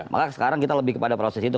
maka sekarang kita lebih kepada proses itu